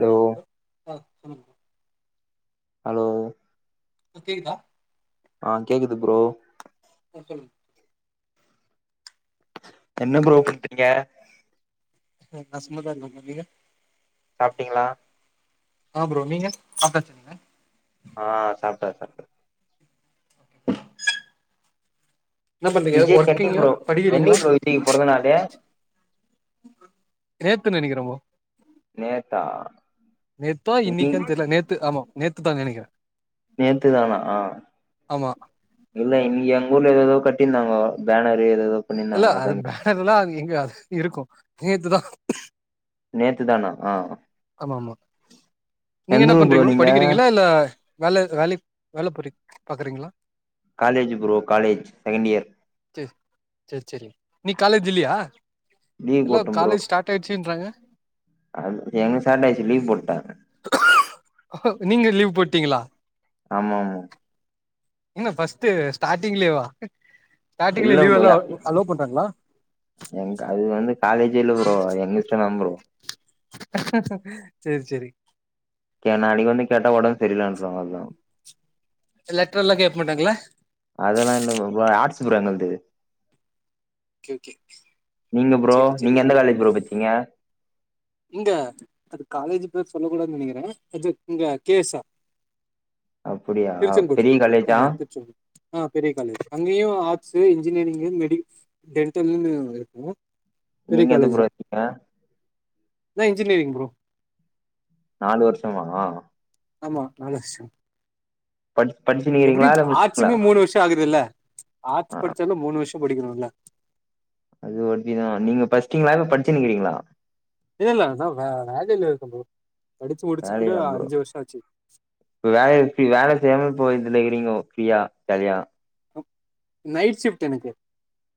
ஓ ஆ சொல்லுங் ஹலோ கேக்குதா ஆ கேக்குது ப்ரோ அ சொல்லுங் என்ன ப்ரோ பண்றீங்க நா சும்மாதா இருக்க ப்ரோ நீங்க சாப்ட்டீங்களா ஆ ப்ரோ நீங்க சாப்டாச்சா நீங்க ஆ சாப்ட்ட சாப்ட்ட என்ன பண்றீங்க விஜய் [inaudible] ஒர்க்கிங்கா ப்ரோ படிக்கிறீங்களா என்னிக் ப்ரோ விஜய்க் பொறந்தநாளு நேத்துன் நினைக்கிறொ ப்ரோ நேத்தா நேத்தா இன்னி இன்னைிக்கன் தெரில நேத்து ஆமா நேத்துதா நினைக்கிறே நேத்து தானா ஆ ஆமா இல்ல இங் எங்க ஊர்ல எதோ எதோ கட்டிர்ந்தாங்க பேனர்ரு எது எதோ இல்ல அது பேனர் எல்லா எங்க அது இருக்கு நேத்துதா நேத்து தானா ஆ ஆமா ஆமா நீங்க எந்த என்ன ஊர் ப்ரோ பண்றீங் உ நீங்க படிக்கிறீங்களா இல்ல வேல வேலைக் வேல பொரி பாக்குறீங்களா college bro college second year சேர் சேர் செரி நீ காலேஜ் இல்லையா லீவ் எல்லா போட்டே ப்ரோ காலேஜ் ஸ்டார்ட் டாய்ச்சுன்றாங்க அது எங்க ஸ்டார்ட் ஆச்சு லீவ் போட்டே ஓ நீங்க லீவ் போட்டீங்களா ஆமா ஆமா என்ன ஃர்ஸ்ட்டு ஸ்டார்டிங்லியேவா ஸ்டார்ட்டிங்ல இல்ல ப்ரோ லீவ்வல்லா அலோவ் பண்றாங்களா எங்க அது வந்து காலேஜ்ஜே இல்ல ப்ரோ எங்கிஸ்டந்தா ப்ரோ செரி செரி கே நாளைக்கு வந்து கேட்டா உடம்பு சரியலான்றுவோ அவ்ள்தா லெட்ரெல்லாம் கேப்ப மாட்டாங்கல்ல அதெல்லா இல்ல ப்ரோ ப்ரோ ஆர்ட்ஸ்ஸு புரோ எங்கள்து ஓகே ஓகே நீங்க ப்ரோ சேரி சேரி நீங்க எந்த காலேஜ் ப்ரோ பச்சீங்க இங்க அது காலேஜ் பேர் சொல்ல கூடாதுனு நெனைக்கிற அது இங்க கே எஸ் ஆர் அப்டியா திருச்செங்கோடு பெரிய காலேஜா ஆமா திருச்செங்கோடு ஆ பெரிய காலேஜ் அங்கியு ஆர்ட்ஸு இன்ஜினியரிங்ஙு மெடி டென்டல்ன்னு இருக்கு பெரிய நீங்க எது காலேஜ் ப்ரோ தா எத்தீங்க நா இன்ஜினியரிங் ப்ரோ நாலு வருஷமா ஆமா நாலு வர்ஷோ பட் படிக்கனு எப்புடியு ஆர்ட்சுமே மூணு வர்ஷோ ஆகுது இல்ல ஆ ஆர்ட்ஸ் படிச்சாலு மூணு வருஷோ படிக்கணுல்ல அது ஒண்டிதா நீங்க பட்ச்சீட்ங்களா இல்ல பட்ச்சுனுக்கிறீங்ளா இல்லல்ல அதா வே வேலையில இருக்க ப்ரோ படிச்சு முடிச்சு கூட வேலையா ப்ரோ அஞ்சு வருஷோ ஆச்சி இப்ப வேலை எப்டி வேலை செய்யாம இப்போ இதுல கிறீங்கோ ஃப்ரீயா ஜாலியா நைட் ஷிஃப்ட் எனக்கு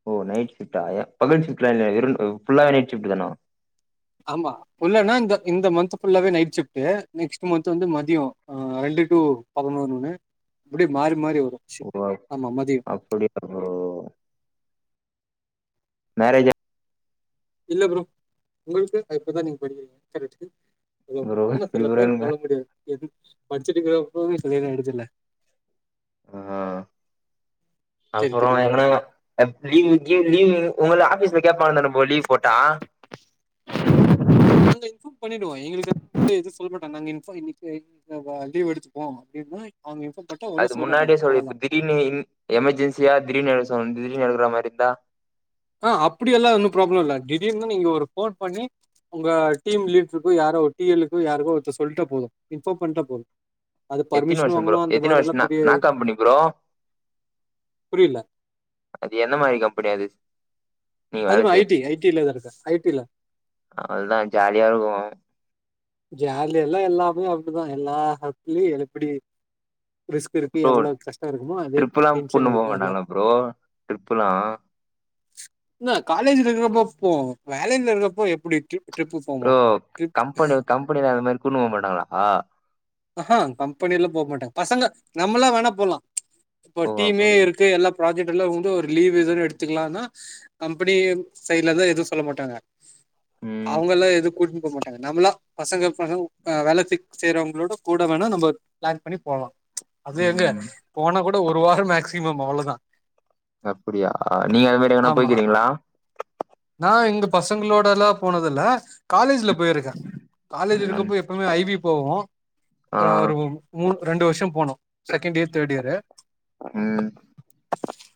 ஓ நைட் ஷிப்டா பகல் ஷிப்ட் இல்லையா வெரு புல்லாவே நைட்ஷிப்ட்டு தானா ஆமா புல்லனா இந்த இந்த மந்தத் புல்லாவே நைட் சிப்ட்டு நெக்ஸ்ட் மந்த் வந்து மதியோ ஆ ரெண்டு டூ பதனொன்னு அப்டியே மாறி மாறி வரு ஓ அப்படிய மேரேஜ்ஜா இல்ல ப்ரோ உங்களுக்கு இப்பதா நீங்க படிக்கிறீங்க கரெக்ட்டு [unintelligible] ப்ரோ ஆனா எப்டி சில ப்ரோ பேர் எனக்கு சொல்ல முடியாது எதுக் பச்சடிக்கிறப்பவே கல்யாணோ ஆயிடுதுல்ல ஆ சரி அப்பறோ சரி ப்ரோ. எங்கனா [unintelligible] லீவ் லீவு உங்க ஆபீஸ்ல கேப்பாங்க தான புரோ லீவு போட்டா நாங்க இன்பார்ம் பண்ணிடுவோ எங்களுக்கு எதுவு சொல்ல மாட்டோ நாங்க இன்ஃபா இன்னைக்கு இல்லபா லீவ் எடுத்துப்போ அப்டின்னா அவங்க இன்ஃபார்ம் பண்ணிட்டா அது ஒன்னும் சொல்ல மாட்டாங்க. முன்னாடியே சொல் அவ்வளதான். இப்ப திடீனு ம் எமர்ஜென்சியா திடீர்னு திடீர் எடக் சொல் திடீர்னு எடுக்க மாரி இருந்தா ஆ அப்படி எல்லா ஒன்னு ப்ராப்ளம் இல்ல திடீர்னு நீங்க ஒரு போன் பண்ணி உங்க டீம் லீட்ருக்கோ யாரோ டி எல்லுக்கு யாரோ ஒருத்தருக்கு சொல்ட்ட போதும் இன்பார்ம் பண்ணிட்ட போதும் அது எத்தினி பர்மிஷன் வருஷோ ப்ரோ வாங்கனு அந்த எத்தினி மாரி எல்லா வருஷம்னா பெரிய என்னா இதுல்ல கம்பெனி ப்ரோ புரியல அது என்ன மாரி கம்பெனி அது நீங்க வேல அதுவா ஐ செய்றது டி ஐ டிலதா இருக்க ஐ டில அவ்ளதா ஜாலியா இருக்கு ஜாலியால்லா எல்லாமே அப்டிதா எல்லா எட்த்துலயு எப்புடி ப்ரோ இருக்குமோ அதே ட்ரிப்பெல்லா டென்ஷன் கூட்னு போக இருக்கு எல்லா மாட்டாங்களா ப்ரோ ட்ரிப்பெல்லா இல்ல காலேஜ்ல இருக்கிறப்ப போவோ வேலையில இருக்கிறப்ப எப்புடி டிரி டிரிப்பு போவோ டிரிப் ம்பெனில அந்த மாரி கூட்னு போ மாட்டாங்களா ஆஹா கம்பெனிய எல்லா போக மாட்டாங்க பசங்க நம்மளா வேணா போலா இப்ப ஓ டீமே அப்டியா இருக்கு எல்லா ப்ராஜெக்ட்ல்லா வந்து ஒரு லீவு எதுன் எடுத்துக்கலானா கம்பெனி சைட்லெந்து எது சொல்ல மாட்டாங்க ம் அவுங்கல்லா எது கூட்னு போமா நம்மளா பசங்க பசங் அ வேல ச செய்றவங்களோட கூட வேணா நம்ம ப்ளான் பண்ணி போலா அது எங்க ம் போனா கூட ஒரு வாரோ மேக்சிமம் அவ்ளதா அப்படியா நீங்க அது மாரி எங்கனா போய்கிறீங்களா நா இங்க பசங்களோடெல்லா போனதில்ல காலேஜில போயிருக்கே காலேஜ் ம் இருக்கப்போ எப்பவ்மே ஐவி போவோ ஆ நா ஒரு மூ ரெண்டு வருஷோ போனோ செகண்ட் யேர் தேட் யேரு ம்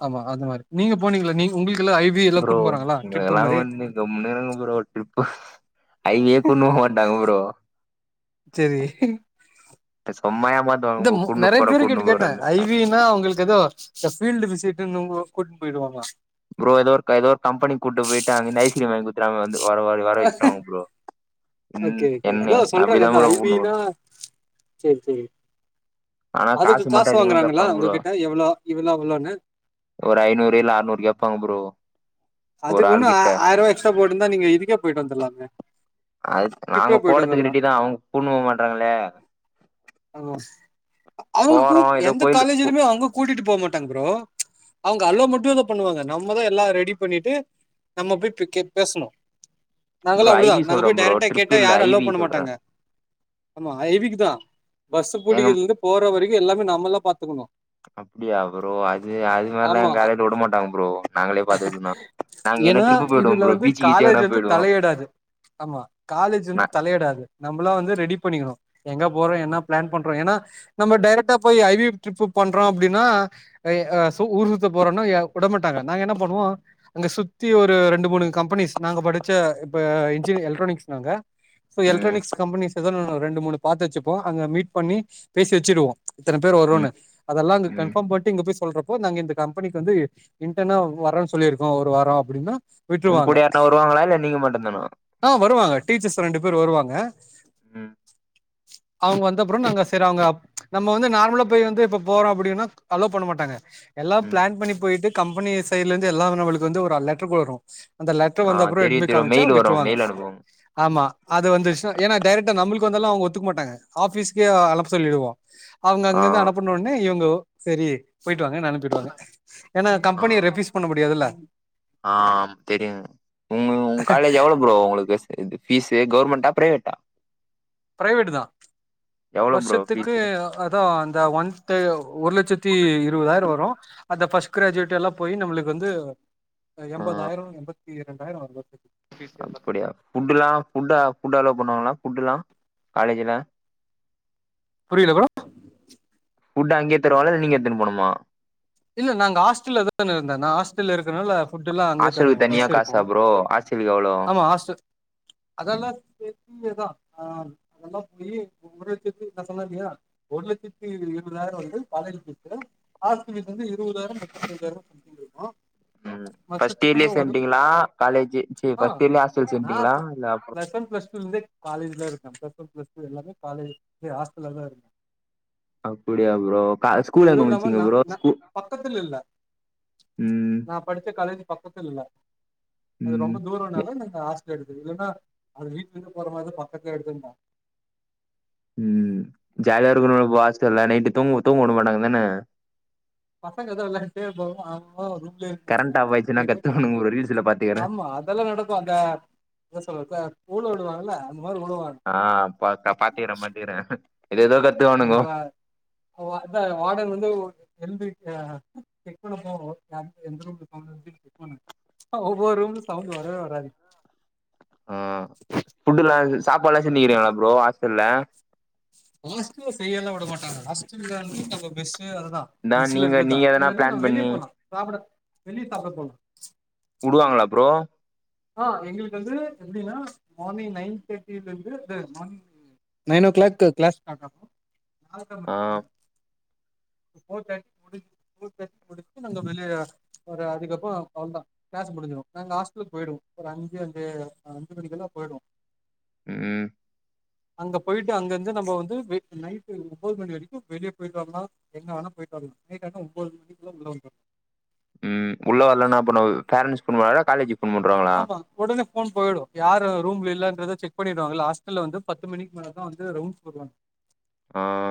ஆமா அது மாரி நீங்க போனீங்ளா நீங்க உங்களுக்குலா ஐவி எல்லா ப்ரோ கூட்ன் போறாங்களா ட்ரிப்பு இவங்கல்லா மாரி வந்து கம்முனு இருங்க ப்ரோ ட்ரிப்பு ஐவியே கூட்னு போ மாட்டாங்க ப்ரோ செரி சும்மா ஏமாத் இந்த மு நெறைய பேருகிட்ட கேட்ட ஐவி ன்னா அவுங்களுக்கு எதோ இந்த ஃபீல்டு விசிட்டுன்னு ஒ கூட்னு போய்டுவாங்களா ப்ரோ எதோ ஒரு க எதோ கம்பெனி கூட்டு போய்ட்டு அங்கிந்து ஐஸ்கிரிம் வாய்ங் குத்துற்வாங் வந்து வர வ வர வெச்சிர்வாங்க பரோ ஓகே ஓகே அதா சொல்றாங்கா அதா ப்ரோ கூட்னு ஐவினா போனு செரி செரி ஆனா அதுக்கு காசு மட்டு அதிகமா வாங்குறாங்களா கேப்பாங்க ப்ரோ உங்ககிட்ட எவ்ளோ இவ்ளோ அவ்ளோன்னு ஒரு ஐநூறு இல்ல ஆற்நூறு கேப்பாங்க ப்ரோ ஒரு அதுக் உன்னு ஆள் ஆ கிட்ட ஆயிர்வா எக்ஸ்ட்ரா போட்டுந்தா நீங்க இதுக்கே போய்ட்டு வந்துட்லாமே அதுக் நாங்க போடதுக்கு ரெடிதா அவுங் கூட்ணு போமாட்றாங்களே அவுங்க கூ போறோ ஏதோ எந்த கோயிலுக்கு காலேஜிலிமே அவுங்க கூட்டிட்டு போ மாட்டாங் ப்ரோ அவுங்க அலோ மட்டுதா பண்ணுவாங்க நம்மதா எல்லா ரெடி பண்ணிட்டு நம்ம போய் இப் கே பேசணு ப்ரோ நாங்கலா ஐ அப்படிதா வி நாங்க சொல்றே போய் ப்ரோ டேரக்டா ட்ரிப் கேட்டா இல்ல யாரு ஐ அலோ வி பண்ண சொல்றே மாட்டாங்க ஆமா ஐவிக்குதா பஸ்ஸு எங்க புடிக்கிற்லிந்து போற வரைக்கு எல்லாமே நம்மல்லா பாத்துக்கணு அப்படியா ப்ரோ அது அது மாரிலா ஆமா எங் காலேஜில வுட மாட்டாங்க ப்ரோ நாங்களே பாத்துகித்து ஏனா இதுல வந்து கீச்சு காலேஜ் எங்கனா வந்து போயிடுவோ தலையிடாது ஆமா காலேஜ் வந்து நா தலையிடாது நம்பளா வந்து ரெடி பண்ணிக்கணு எங்க போறோ என்ன ப்ளான் பண்றோ ஏனா நம்ம டேரக்டா போயி ஐவி ட்ரிப்பு பண்றோ அப்டின்னா ஐ அ சு ஊருசுத்த போறோன்னா ய உடமாட்டாங்க நாங்க என்ன பண்ணுவோ அங்க சுத்தி ஒரு ரெண்டு மூணு கம்பெனிஸ் நாங்க படிச்ச இப்ப இன்ஜினிய எலக்ட்ரானிக்ஸ் நாங்க இப்ப ம் எல்க்ட்ரானிக்ஸ் கம்பனிஸ் எதோ ஒன்னு ரெண்டு மூனு பாத்து வெச்சுப்போ அங்க மீட் பண்ணி பேசி வெச்சுடுவோ இத்தன பேர் வரோன்னு ம் அதெல்லா இங்க ம் கன்ஃபாம் பண்ட்டு இங்க போய் சொல்றப் இப்போ நாங்க இந்த கம்பெனிக்கு வந்து இன்டன்னா வரேன் சொல்லிருக்கோ ஒரு வாரோ அப்படின்னா உங்கூட யார்னா வருவாங்களா இல்ல நீங்க மட்டுந்தானா ஆ வருவாங்க டீச்சர்ஸ் ரெண்டு பேரு வருவாங்க [inaudible] அவுங்க வந்த அப்புறோ நாங்க செரி அவுங்க நம்ம வந்து நார்மலா போய் வந்து இப்ப போறோ அப்படின்னா அலோ பண்ண மாட்டாங்க எல்லாம் ம் ப்ளான் பண்ணி போய்ட்டு கம்பெனி சைட்லெந்து எல்லா நம்மளுக்கு வந்து ஒரு அ லெட்டர் வரு அந்த லெட்டர் ஆ வந்த அப்புறோ எட்த் தெரியு போய் தெரியு காமிச்சா மெயில் வரு விட்ருவாங்க மெயில் அனுப்புவாங்க ஆமா அது வந்துச்னா ஏனா டேரெக்டா நம்மளுக்கு வந்தாலா அவுங்க ஒத்துக்க மாட்டாங்க ஆபீஸ்க்கே அனப் சொல்லிடுவோ அவுங்க ஆ அங்கந்து அனுப்பன ஒன்னே இவுங்கோ செரி போய்ட்டு வாங்கன் அனுப் பிடுவாங்க ஏன்னா கம்பெனிய ரெபியூஸ் பண்ண முடியாதுல்ல ஆம் தெரியும் உங்க உங்க காலேஜ் எவ்ளோவு ஃப்ரோ உங்களுக்கு ப்பீஸ்சு கவர்மெண்ட்டா பிரைவேட்டா பிரைவேட் தான் எவ்ளோ ப்ரோ வருஷத்துக்கு ஃபீஸு தா அந்த மன்த்து ஒரு லட்சத்தி இருவதாயிரோ வரும் அந்த பஸ்ட் கிராஜுவேட்ல்லா போய் நம்மளுக்கு வந்து ஆ எம்தாயிரம் எண்பத்தி ரெண்டாயிரம் வரு அப்படியா புட்டுல்லா புட்டு அலோ பண்ணுவாங்களா புட்டு்லாம் காலேஜ்ல புரியல ஃப்ரோ புட்டு அங்கே தருவாங்களல்ல இல்ல நீங்க எத்துனு போணுமா இல்ல நாங்க ஹாஸ்டல்ல தாருந்தேன் நான் ஹாஸ்டல்ல இருக்கனால புட்டுலாம் அங்கேயே ஹாஸ்டலுக்கு தருவாங்க தனியா மெஸ் காசா இருக்கும் ப்ரோ ஹாஸ்டலுக்கு எவ்ளோ ஆமா ஹாஸ்டல் அதெல்லாம் சேத்தியேதான் ஆ அதெல்லாம் போயி ஒரு லட்சத்தி நா சொன்னல்லியா ஒரு லட்சத்தி இருவதாயிரம் வந்து காலேஜ் பீஸ் மொத்தோம் பீஸ் வந்து இருபதாயிரம் முப்பத்தஞ்யாயிரம் சம்திங் இருக்கோம் பர்ஸ்ட் இயர்லயே சேண்டிங்களா காலேஜி சீ ஆ பர்ஸ்ட் இயர்லயே ஹாஸ்டல் நா சேட்டீங்களா இல்ல அப்புறோம் பிளஸ் ஒன் பிளஸ் டூலருந்தே காலேஜல இருக்கன் பிளஸ் ஒன் பிளஸ்டூலாமே காலேஜ் ஹாஸ்டலல்ல தான் இருக்கன் அப்படியா ப்ரோ ஸ்கூல் எங்க முடிசீங்க ப்ரோ ஸ்கூ பக்கத்திலில்ல ம் நா படிச்ச காலேஜ் பக்கத்திலில்ல அது ம் ரொம்ப தூரனால எனக்கு ஆஷ்டல் எடுத்துது இதுன்னா அது வீட்டுல இருது போற மாரி பக்கத்துல எடுத்துருப்பன் ம் ஜாலியா இருக்கோம்ல ஆஸ்டல்ல நைட்டு தூங்க தூங்க வுட மாட்டாங்க தான பசங்கதான் விளையாடிட்டே இருப்பாங்க அதனால் நா ரூம்லயேருப்பன் கரண்ட் ஆஃப் ஆய்ச்சுனா கத்துவானுங்க ப்ரோ ரீல்ஸ்ல பாத்துக்குறன் இதெல்லாம் நடக்கும் அந்த என்ன சொல்றது ஊழ விடுவாங்கல அந்த மாரி உழுவாங்க ஆ பாத் பாத்துக்கிறேன் பாத்துக்கிறேன் ஏதோ ஏதோ [unintelligible] செக் [inaudible] ப்ரோ எந்த ரூம் [unintelligible] ஆ ஒவ்வொரு ரூம்லும் சவுண்ட் வரவே வராது ஆ ஃபுட்டுல்லாம் சாப்பாடெல்லாம் செஞ்சிக்கிறீங்களா ப்ரோ ஹாஸ்டல்ல ஹாஸ்டல்ல செய்யல்லாம் விட மாட்டாங்க ஹாஸ்டல்ல நம்ப மெஸ்சு அதுதான் இதா மெஸ்ல நீங்க நீங்க இருக்குதுதான் எதனா இல்லன்னா பிளான் நம்ம வெளிய பண்ணி போலாம் சாப்பிட வெளிய சாப்பிட போலாம் உடுவாங்களா ப்ரோ ஆ எங்களுக்கு வந்து எப்டின்னா மார்னிங் நைன் தேர்ட்டிலேர்ந்து morning nine o'clock class start ஆகும் ஆ [inaudible] முடியும் போஃர் தேட்டி முடி போஃர் தேட்டி முடிச்சு நாங்க வெளிய ஒரு அதுகப்பம் அவ்ல்தான் கிளாஸ் முடிஞ்சிரும் நாங்க ஹாஸ்டலுக் போய்டுவோம் ஒரு அஞ்சு அஞ்சே ஹால் அஞ்சு மணிக்குல்லாம் போயிடுவோம் ம் அங்க போயிட்டு அங்கருந்து நம்ப வந்து நைட்டு ஒன்பது மணி வரைக்கும் வெளிய போயிட்டு வரலாம் எங்க வேணா போயிட்டு வரலாம் நைட்டு ஆனா ஒன்பது மணிகுல்ல உள்ள வந்துரனும் ம் உள்ள வரலன்னா அப்பனா பேரண்ட்ஸ் பண்ணுவாங்களா காலேஜி ஆமா உடனே ஃப்போன் போயிடும் யாரு ரூம்ல இல்லன்றத செக் பண்ணிருவாங்கள ஹாஸ்டல்ல வந்து பத்து மணிக்கு மேலதான் வந்து ரவுண்ட்ஸ் வருவாங்க ஆ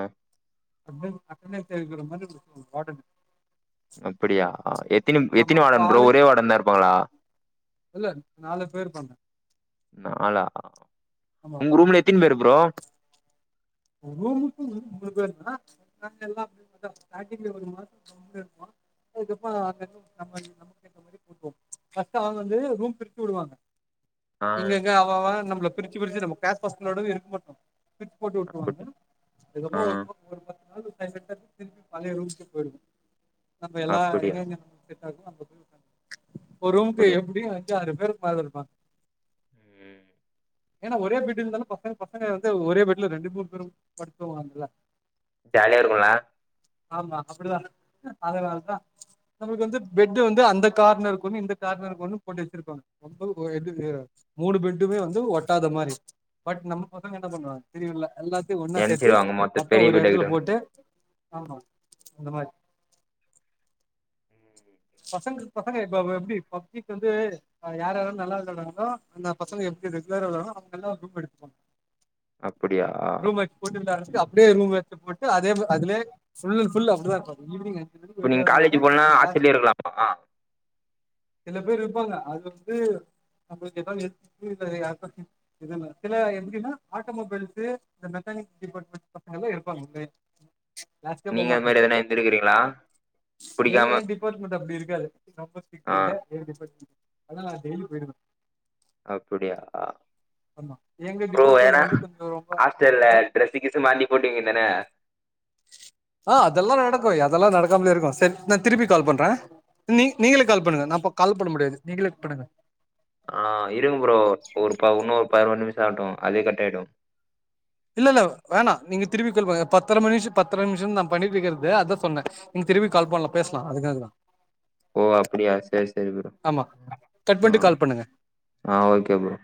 [unintelligible] அட்டனென்ஸ் எடுக்குற மாரி இருக்கும் வாடனு அப்டியா எத்தனி ஆமா எத்தனி அப்ப வாடன் ப்ரோ ஆளு ஒரே வாடன் தா இருப்பாங்களா இல்ல நாலு பேர் இருப்பாங்க நால்லா ஆமா உங்க ரூம்ல எத்தினி பேர் ப்ரோ ஒரு ரூமுக்கும் மினிமம் மூணு பேருதா [unintelligible] அதுக்கப்பஅங்க அங்க நம்ம நமக்கு ஏத்த மாரி [unintelligible] ஃபர்ஸ்ட் அவங்க வந்து ரூம் பிரிச்சு விடுவாங்க ஆ இங்க இங்க அவ அவ நம்மல்ல பிரிச்சு பிரிச்சு நம்ம பேஜ் பசங்கலோடவே இருக்க மாட்டோ பிரிச்சு போட்டு அப்புட்டு அதுக்கப்ப ஒரு ஒரு பத்து நாள் இருப்ப சைலண்ட்டா திருப்பி பழைய ரூம்முக்கே போயிருவோ நம்ம எல்லா அப்படியா எங்கங்க செட் ஆகுமா அங்க போய் ஒக்காந்துருவ ஒரு ரூம்க்கு அப்படியா எப்டியும் அஞ் அஞ்சாறு பேருக்கு மேல இருப்பாங்க ம் ஏன்னா ஒரே பெட் இருந்தாலு பசங்க பசங்க வந்து ஒரே பெட்ல ரெண்டு மூணு பேரு படுத்து தூங்கலா நல்லா ஜாலியா இருக்குல ஆமா அப்டிதா அதனாலதா நம்மளுக்கு வந்து பெட்டு் வந்து அந்த கார்னர்ருக்கு ஒன்னு இந்த கார்னர்ருக்கு ஒன்னு போட்டு வச்சிருப்பாங்க நம்மளுக்கு ஒரு என்டு [unintelligible] மூணு பெட்டுமே வந்து ஒட்டாத மாரி பட் நம்ம பசங்க என்ன பண்ணுவாங்க தெரியுல எல்லாத் ரெண்டுத்தியு ஒண்ணா சேத்து நெனச்சிருவாங்க மொத்த பெரிய ஒரு வீட்ட எடத்துல கிட்ட போட்டு ஆமா அந்த மாரி பசங்களுக் பசங்க இப்ப எப்டி பப்ளிக் வந்து அதுல யார் யாரு நல்லா [unintelligible] அந்த பசங்க எப்டி ரெகுலரா வருவங்களோ அவங்க எல்லா ரூம் எடுத்துப்பாங்க அப்புடியா கூண்டுக்குள்ள அடச்சிட்டு அப்டியே ரூம்ல எடுத்து போட்டு அதுலே அதுலே ஃபுல் அன் ஃபுல் அப்டிதா இருப்பாங்க ஈவினிங் மணிக்கு இப்ப வெளிய நீங்க வருவாங்க காலேஜ் போலனா இந்த கிளாஸ் ஹாஸ்டல்லே இருக்கலாமா சில பேர் இருப்பாங்க அது வந்து நம்மளுக்கு ஏதாவது ஹெல்த் இஷ்யு இல்ல யாருக்கோ [unintelligible] இதுன்ன சில எப்டின்னா ஆட்டோமொபைல்ஸ்சு இந்த மெக்கானிக்ஸ் டிபார்ட்மெண்ட் பசங்க எல்லா இருப்பாங்க உள்ளாரே நீங்க அந்த மாரி எதனா இருந்திருக்றீங்ளா ஏ புடிக்காம ஏ டிபார்ட்மெண்ட் அப்டி இருக்காது ரொம்ப ஆ ஸ்ட்டு எய டிபார்ட்மெண்ட் அதா நா டெய்லி போயிருவ அப்டியா ஆமா எங்க ப்ரோ ஏன்னா டிபார்ட்மெண்ட்ல வந்து கொஞ்சோ ரொம்ப ஹாஸ்டல்ல அதா டிரரெஸு கிஸு மாட்டி போட்டுவிங்க தான ஆ அதெல்லா நடக்கு அதெல்லா நடக்காமலே இருக்கு சேர் நா திருப்பி கால் பண்ற நீங் நீங்களே கால் பண்ணுங்க நா கால் பண்ண முடியாது நீங்களே பண்ணுங்க ஆ இருங்க ப்ரோ ஒரு இன்னு ஒரு பதினொரு நிமிஷ ஆகட்டு அதே கட் ஆயிடு இல்ல இல்ல வேணா நீங்க திருப்பி கொல்ங்க பத்தரை மணிஷம் பத்தரை நிமிஷ தா பண்ணிட்டு இருக்கறது அதா சொன்ன நீங்க திருப்பி கால் பண்ணலா பேசலா அதுக்காகதா ஓ அப்டியா சேர் சேரி ப்ரோ ஆமா கட் அ பண்ட்டு கால் பண்ணுங்க ஆஹ ஓகே ப்ரோ